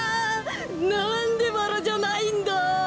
なんでバラじゃないんだ！